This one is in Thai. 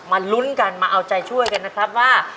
ลุ้นกันมาเอาใจช่วยกันนะครับว่า